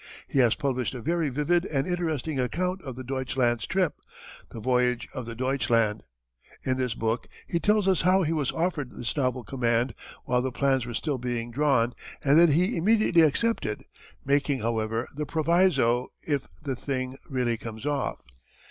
He has published a very vivid and interesting account of the Deutschland's trip, the Voyage of the Deutschland. In this book, he tells us how he was offered this novel command while the plans were still being drawn and that he immediately accepted, making, however, the proviso "if the thing really comes off."